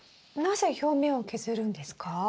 なぜ表面を削るんですか？